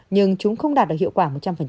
nhưng chúng không đạt được hiệu quả một trăm linh